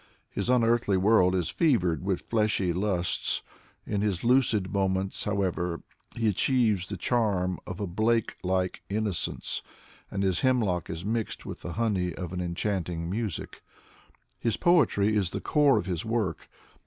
His unearthly world is fevered with fleshly lusts. In his lucid moments, how ever, he achieves the charm of a Blake like innocence, and his hemlock is mixed with the honey of an enchanting music. His poetry is the core of his work.